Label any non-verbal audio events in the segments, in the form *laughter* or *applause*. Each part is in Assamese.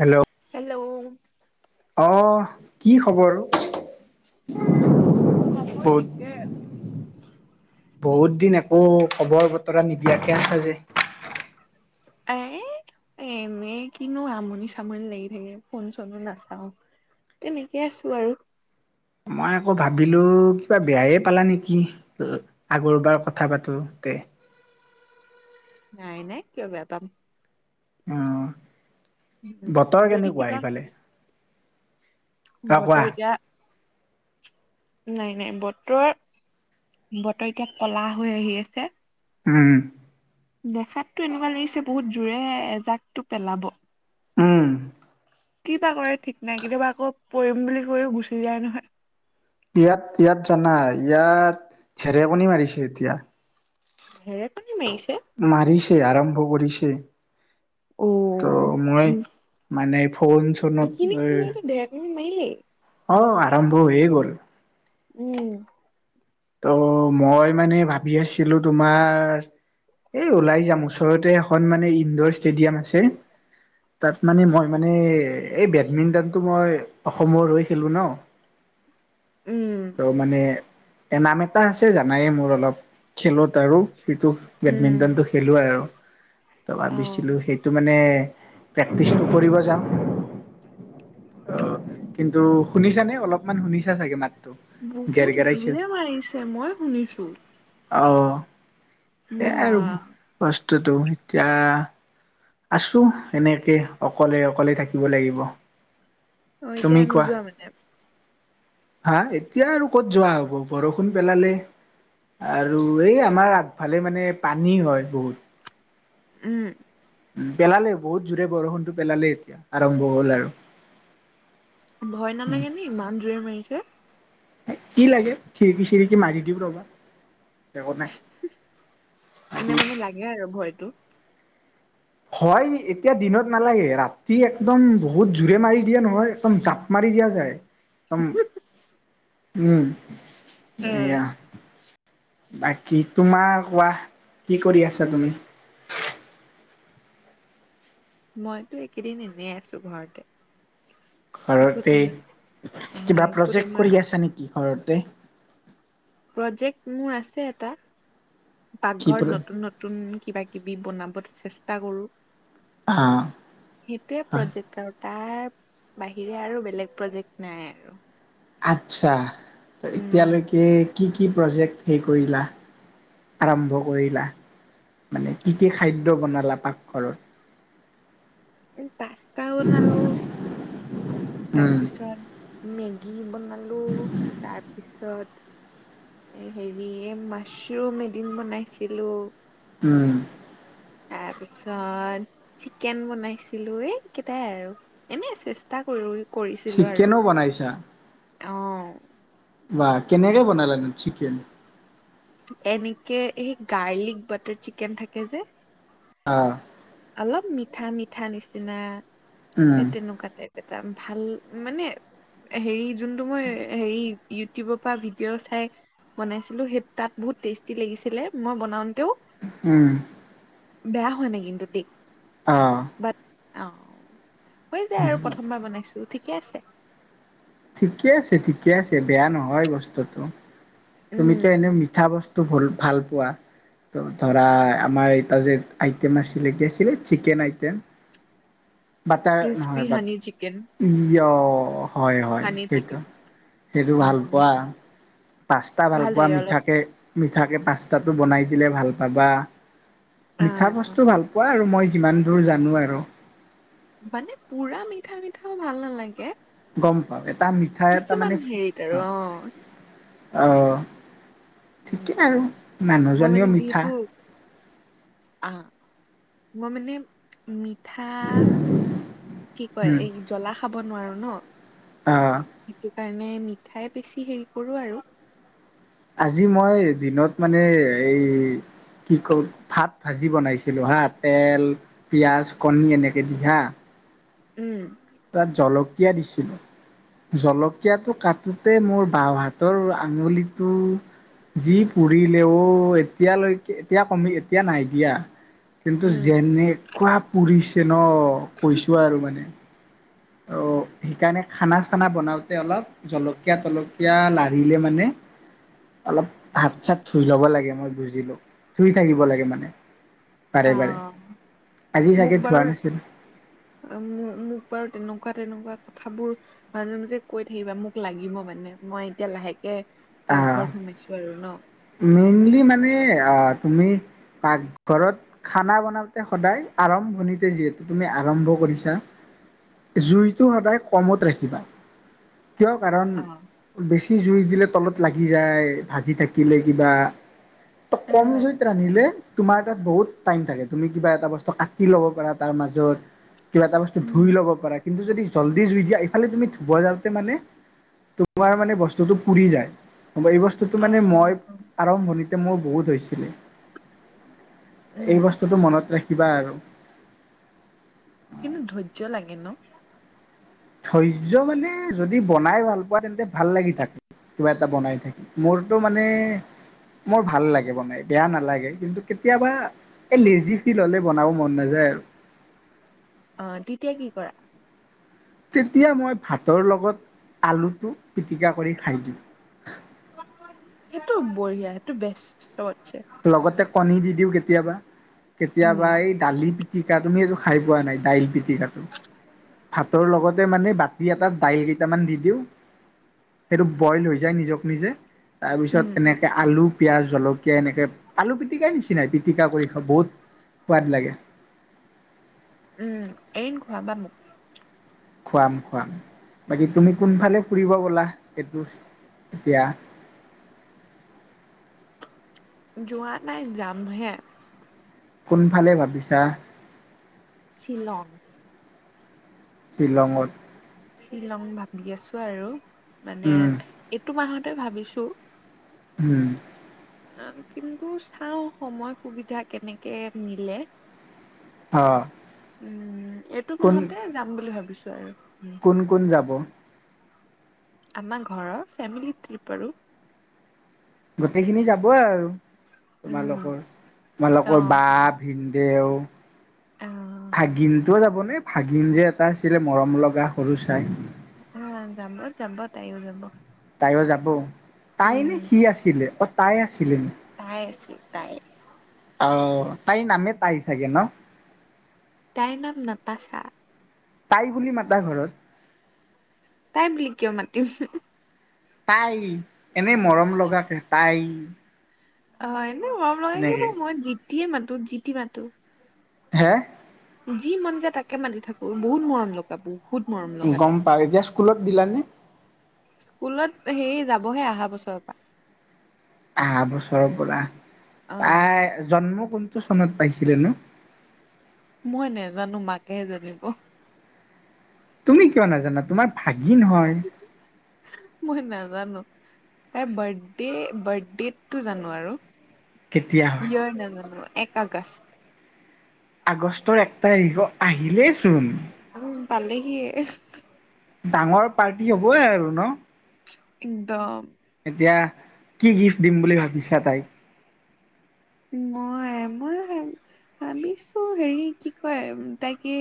হেল্ল' হেল্ল' অহ, কি খবৰ? খবৰ বহুত থিকে। বহুত দিন একো খবৰ-বতৰা নিদিয়াকে আছাঁ যে। এই এনে কিনো আমনি-চামনি লাগি থাকে। ফোন-চোনো নাচাওঁ। তেনেকে আছোঁ আৰু। মই আকৌ ভাবিলোঁ, কিবা বেয়াই পালা নেকি? ল, আগৰবাৰ কথা পাঁতোতে। নাই নাই, কিয় বেয়া পাম? অহ', উম, বতৰ যদি কেনেকুৱা কিবা সেইফালে? অ' কোৱা বতৰ এতিয়া নাই নাই, বতৰ, বতৰ এতিয়া ক'লা হৈ আহি আছে। উম। দেখাতটো এনেকুৱা লাগিছে, বহুত জোৰে এজাকটো পেলাব। উম। কি বা কৰে ঠিক নাই। কেতিয়াবা আকৌ পৰিম বুলি কৈও গুচি যায় নহয়। ইয়াত, ইয়াত জানা, ইয়াত ঢেৰেকণী মাৰিছে এতিয়া। ঢেৰেকণী মাৰিছে? মাৰিছে, আৰম্ভ কৰিছে। অ ত' মই উম মানে ফোন চ এইখিনি খালো দেে *unintelligible* মাৰিলেই। অ', আৰম্ভ হয়েই গ'ল। উম। ত' মই মানে ভাবি আছিলোঁ তোমাৰ এই ওলাই যাম, ওচৰতে এখন মানে ইনডোৰ ষ্টেডিয়াম আছে। তাত মানে মই মানে এই, বেডমিণ্টনতটো মই অসমৰ হৈ খেলো ন', উম। ত' মানে এ, নাম এটা আছে জানায়ে মোৰ অলপ, খেলত আৰু। সেইটো উম বেডমিন্টন টো খেলো আৰু ত' অ', ভাবিছিলোঁ সেই ত' মানে প্ৰেক্টিচো কৰিব যাম অ', কিন্তু শুনিছানে অলপমান শুনিছা চাগে মাতটো। গেৰ বহুত গেৰাইছে জোৰে মাৰিছে মই শুনিছোঁ আহ, এয়াই বা আৰু বস্তুটো, এতিয়া আছোঁ এনেকে, অকলে অকলে থাকিব লাগিব। অহ, এতিয়া তুমি কোৱা নোযোৱা মানে। হা! এতিয়া আৰু ক'ত যোৱা হ'ব বৰষুণ পেলালে। আৰু এই আমাৰ আগফালে মানে পানী হয় বহুত। উম। উম, পেলালে বহুত জোৰে বৰষুণটো পেলালে এতিয়া আৰম্ভ হ'ল আৰু। ভয় নালাগে নে ইমান জোৰে মাৰিছে। কি লাগে খিৰিকি-চিৰিকি মাৰি দিম ৰবা, একত নাই। এনেই মানে লাগে আৰু ভয়তো। হয়, এতিয়া দিনত নালাগে, ৰাতি একদম বহুত জোৰে মাৰি দিয়ে নহয় একদম জাপ মাৰি দিয়া একদম উম, উম এয়া। বাকী তোমাৰ কোৱা কি কৰি আছা তুমি? মইতো একেইদিন এনেই আছোঁ ঘৰতে। একো ঘৰতে, তেনে আহ কিবা একো প্ৰজেক্ট তেনেকুৱা কৰি আছা নেকি ঘৰতে? প্ৰজেক্ট মোৰ আছে এটা, কি প্ৰ পাকঘৰত নতুন-নতুন নতুন কিবা-কিবি বনাব চেষ্টা কৰোঁ। অহ। সেইটোৱে প্ৰজেক্ট আৰু তাৰ বাহিৰে আৰু বেলেগ প্ৰজেক্ট নাই আৰু। আচ্ছা। ত' এতিয়ালৈকে উম কি কি প্ৰজেক্ট হেৰি কৰিলা, আৰম্ভ কৰিলা? মানে কি কি খাদ্য বনালা পাকঘৰত। এই পাস্তা বনালো, উম তাৰপিছত মেগী বনালো তাৰপিছত তাৰপিছত এ হেৰি মাছৰুম এদিন বনাইছিলোঁ। উম। তাৰপিছত চিকেন বনাইছিলোঁ, এই কিবা আৰু এনেই চেষ্টা কৰোঁ। কৰিছিলোঁ আৰু চিকেনো বনাইছা? অহ। বাহ কেনেকে বনালানো চিকেন? এনেকে এই গাৰ্লিক বাটাৰ চিকেন থাকে যে। অহ। অলপ মিঠা-মিঠা নিচিনা উম সেই তেনেকুৱা টাইপ। এটা ভাল মানে, হেৰি যোনটো মই হেৰি ইটিউবৰ পৰা ভিডিঅ' চাই বনাইছিলোঁ, সেই তাত বহুত টেষ্টি লাগিছিলে মই বনাওতেও। উম। বেয়া হোৱা নাই কিন্তু দেই। অহ। বাট অহ, হৈ যায় আৰু প্ৰথমবাৰ বনাইছোঁ ঠিকে আছে। ঠিকে আছে, ঠিকে আছে বেয়া নহয় বস্তুটো তুমিতো উম এনেই মিঠা বস্তু তো কৰি ভাল পোৱা। ত' ধৰা আমাৰ এটা যে আইটেম আছিলে, কি আছিল chicken item. Crispy honey chicken. ই অহ', হয়, হয়। হানি চিকেন সেইটো-সেইটো ভাল উম পোৱা। পাস্তা ভাল পোৱা, লাগে অলপ মিঠাকে-মিঠাকে পাস্তাটো বনাই দিলে ভাল পাবা। অ মিঠা বস্তু ভাল পোৱা আৰু মই যিমান দূৰ জানোঁ আৰু। মানে পুৰা মিঠা-মিঠাও ভাল নালাগে। গম পাওঁ এটা মিঠা এটা কিছুমান মানে হেৰিত আৰু অহ', অ অহ'। ঠিকে আৰু উম মই মানুহজনীও মিঠা। অ, মই মানে মিঠা, কি কয় উম এই জ্বলা খাব নোৱাৰো ন'। অহ। সেইটো কাৰণে মিঠাই বেছি হেৰি কৰোঁ আৰু। আজি মই দিনত মানে এই কি কও ভাত ভাজি বনাইছিলোঁ হা, তেল, পিঁয়াজ, কণী এনেকৈ দি হা উম। তাত জলকীয়া দিছিলোঁ। জলকীয়াটো কাটোতে মোৰ বাওঁ হাতৰ আঙুলিটো যি পুৰিলে অ' এতিয়ালৈকে এতিয়া কমি, এতিয়া নাই দিয়া। কিন্তু উম যেনেকুৱা পুৰিছে ন' কৈছোঁ আৰু মানে। অ' সেইকাৰণে খানা চানা বনাওতে অলপ জলকীয়া তলকীয়া লাৰিলে মানে অলপ হাত চাত ধুই লব লাগে মই বুজিলো, ধুই থাকিব লাগে মানে। বাৰে অ বাৰে, আজি চাগে ধোৱা নাছিলো। আ, মোক বাৰু তেনেকুৱা তেনেকুৱা কথাবোৰ মাজে মাজে কৈ থাকিবা মোক লাগিব মানে, মই এতিয়া লাহেক কে আহ পাকঘৰত সোমাইছোঁ আৰু ন'। মেইনলি মানে আ, তুমি পাকঘৰত খানা বনাওতে সদায় আৰম্ভণিতে যিহেতু তুমি আৰম্ভ কৰিছা। জুইটো সদায় কমত ৰাখিবা। কিয় কাৰণ অ বেছি জুই দিলে তলত লাগি যায়, ভাজি থাকি থাকিলে কিবা, ত' কম জুইত ৰান্ধিলে তোমাৰ তাত বহুত টাইম থাকে, তুমি কিবা এটা বস্তু কাটি ল'ব পাৰা তাৰ মাজত। কিবা এটা বস্তু ধুই ল'ব উম পাৰা কিন্তু যদি জল্দি জুই দিয়া, ইফালে তুমি ধুব যাওঁতে মানে তোমাৰ মানে বস্তুটো পুৰি যায়, এই বস্তু অ', অ'। আৰম্ভণিতে মোৰ বহুত হৈছিলে। উম এই বস্তুটো মনত ৰাখিবা আৰু। কিন্তু ধৈৰ্য্য লাগে ন'? ধৈৰ্য্যৰ মানে যদি বনাই ভাল পোৱা তেন্তে ভাল লাগি থাকে। কিবা এটা বনাই থাকি, মোৰতো মানে মোৰ ভাল লাগে বনাই। বেয়া নালাগে কিন্তু কেতিয়াবা এই লেজি ফিল হ'লে বনাব মন নাযায় আৰু। অ' তেতিয়া কি কৰা? তেতিয়া মই ভাতৰ লগত আলুটো পিটিকা কৰি খাই দিওঁ। সেইটো বঢ়িয়া, সেইটো বেষ্ট চবতছে। লগতে কণী দি দিওঁ কেতিয়াবা, উম কেতিয়াবা এই দালি পিটিকা, তুমি এইটো খাই পোৱা নাই দাইল পিটিকাটো। ভাতৰ লগত মানে বাতি এটাত দাইল কেইটামান দি দিও সেইটো বইল হৈ যায় নিজক নিজে। তাৰপিছত উম তেনেকে আলু, পিয়য়াজ, জলকীয়া এনেকে আলু পিটিকাৰ নিচিনাই, পিটিকা কৰি খা বহুত সোৱাদ লাগে। উম, এদিন খোৱাবা মোক। খুৱাম খুৱাম। বাকী তুমি উম কোনফালে ফুৰিব গ'লা এইটো এতিয়া? *inaudible* যোৱা নাই যামহে। কোনফালে ভাবিছা? শ্বিলং। শ্বিলঙত? শ্বিলং ভাবি আছোঁ আৰু, মানে উম এইটো মাহতে ভাবিছোঁ। উম। কিন্তু চাওঁ সময় সুবিধা কেনেকে মিলে। অ'। উম, এইটো কোন মাহতে যাম বুলি ভাবিছোঁ আৰু। কোন কোন যাব? আমাৰ ঘৰৰ ফেমিলি ট্ৰিপ আৰু। গোটেইখিনি যাবই আৰু উম তোমালোকৰ, অ তোমালোকৰ বা ভিদেও। অ'। ভাগিনটোও যাবনে, ভাগিন যে এটা আছিলে মৰম লগা সৰু চাই। অ', যাব, যাব, তাইও যাব। তাইও যাব, তাই নে উম সি আছিলে? অ', তাই আছিলে। তাই আছিল, তাই। অ', তাইৰ নামে তাই চাগে নহ? তাইৰ নাম নাতাশা। তাই বুলি মাতা ঘৰত? তাই বুলি কিয় মাতিম? তাই এনেই মৰম লগা, তাই অ', এনেই মৰম নাগিব, এনেকে মই জিতিয়ে মাতো জিতি মাতো। হে? যি মন যায় তাকে মাতি থাকো, বহুত মৰম লগা ব গম পায়, এতিয়া স্কুলত দিলানে? স্কুলত হেৰি, যাবহে অহা বছৰৰ পৰা। আহা বছৰৰ পৰা, অ তাই জন্ম কোনটো চনত পাইছিলে নো? মই নেজানো, মাকেহে জানিব। তুমি কিয় নাজানা, তোমাৰ ভাগিন হয়। মই নাজানো। এই বাৰ্থডে, বাৰ্থডেটটো জানো আৰু। কেতিয়া হয় *unintelligible* এক আগষ্ট। আগষ্টৰ এক তাৰিখ, অ' আহিলেইচোন। উম, পালেহিয়েই। ডাঙৰ পাৰ্টি হবয়ে আৰু নহ? একদম। এতিয়া কি গিফ্ট দিম বুলি ভাবিছা তাইক? মই-মই ভ ভাবিছো হেৰি কি কয় তাইক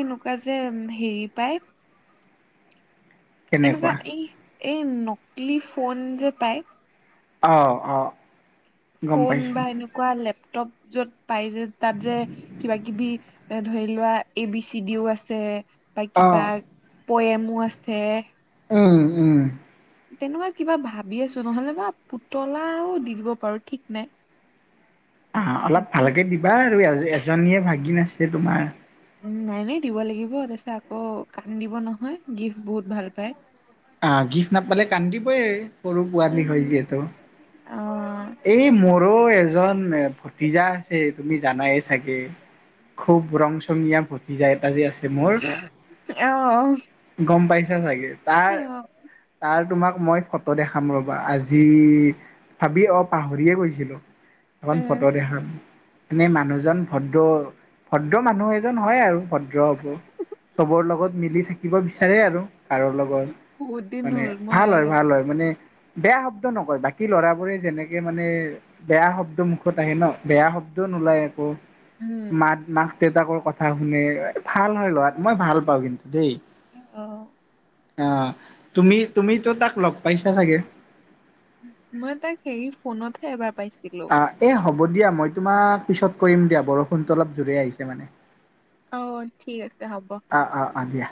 এনেকুৱা যে হেৰি পায় এনেকুৱা কেনেকুৱা এই, এই নকলি ফোন যে পায়। অ', অ'। গম ফোন পাইছো বা এনেকুৱা লেপটপ য'ত পাই যে, তাত যে কিবা কিবি এ ধৰি লোৱা এ বি চি ডিও আছে, বা অ কিবা পৱেমও আছে। উম, উম। তেনেকুৱা কিবা ভাবি আছোঁ, নহলে বা পুতলাও দি দিব পাৰো ঠিক নাই। অ', অলপ সেইটো ভালকে দিবা আৰু, এজনীয়ে ভাগিন আছে তোমাৰ। উম, নাই নাই দিব লাগিব। তাৰপিছত আকৌ কান্দিব নহয়, গিফ্ট বহুত ভাল পায়। অ', গিফ্ট নাপালে কান্দিবই, সৰু পোৱালি উম হয় যিহেতু। অ'। এই, মোৰো এজন ভতিজা আছে তুমি জানায়ে চাগে। খুব ৰং চঙীয়া ভটিজা এটা যে আছে। মোৰ *unintelligible* গম পাইছা চাগে, তাৰ অ' তাক তোমাক মই ত' দেখাম ৰ'বা আজি, ভাবি অ' পাহৰিয়ে গৈছিলো। এখন এ ফটো দেখাম, এনেই মানুহজন ভদ্ৰ, ভদ্ৰ মানুহ এজন হয় আৰু। ভদ্ৰ হ'ব, চবৰ লগত মিলি থাকিব বিচাৰে আৰু কাৰোৰ লগত বহুত দিন মানে হ'ল মই ভাল হয়, ভাল হয় মানে বেয়া শব্দ নকয়। বাকী ল'ৰাবোৰে যেনেক সি মানে বেয়া শব্দ মুখত আহে নহ, বেয়া শব্দও নোলায় একো। উম। মাক, মাক দেউতাকৰ কথা শুনে, ভাল হয় ল'ৰাটো মই ভাল পাওঁ কিন্তু দেই। অ'। অ' তুমি তুমিতো তাক লগ পাইছা চাগে। মই তাক হেৰি ফোনতহে এবাৰ পাইছোঁ। অ' এই হ'ব দিয়া মই তোমাক পিছত কৰিম দিয়া, বৰষুণটো অলপ জোৰে আহিছে মানে। অ' ঠিক আছে হ'ব। আহ আহ আহ দিয়া।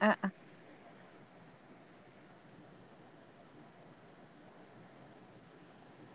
আ, আ।